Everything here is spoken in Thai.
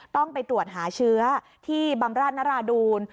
ต้องไปตรวจหาเชื้อที่บำราชนราดูล